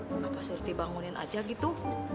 kenapa surti bangunin aja gitu